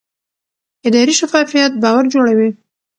اداري شفافیت باور جوړوي